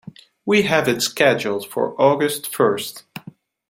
We have it scheduled for August first.